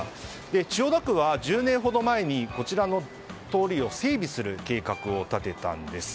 千代田区は１０年ほど前にこちらの通りを整備する計画を立てたんです。